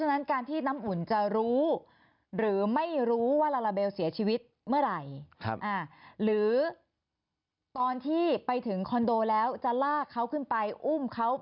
ตกลงลาลาเบลเสียชีวิตกี่โมงคะ